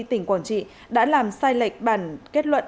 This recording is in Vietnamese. tỉnh quảng trị đã làm sai lệch bản kết luận